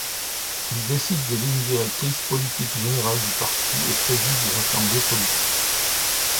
Il décide des lignes directrices politiques générales du parti et préside l’Assemblée politique.